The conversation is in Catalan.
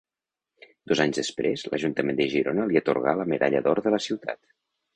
Dos anys després, l’Ajuntament de Girona li atorgà la Medalla d’Or de la Ciutat.